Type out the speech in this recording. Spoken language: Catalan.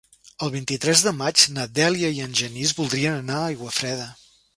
El vint-i-tres de maig na Dèlia i en Genís voldrien anar a Aiguafreda.